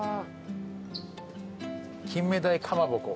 金目鯛かまぼこ。